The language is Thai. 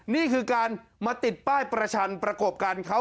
นี่คือการมาติดป้ายประชันประกบกันเขา